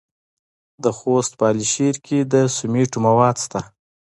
د خوست په علي شیر کې د سمنټو مواد شته.